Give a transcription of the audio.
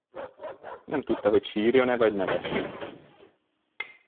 Nem tudta, hogy sírjon-e vagy nevessen.